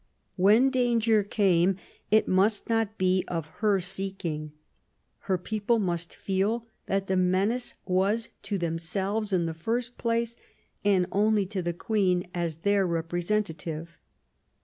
When danger came it must not be of her seeking. Her people must feel that the menace was to them selves in the first place, and only to the Queen as their representative.